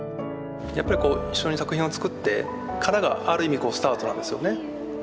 やっぱりこう一緒に作品を作ってからがある意味スタートなんですよね。